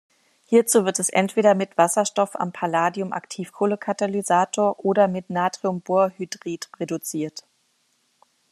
Hierzu wird es entweder mit Wasserstoff am Palladium-Aktivkohle-Katalysator oder mit Natriumborhydrid reduziert.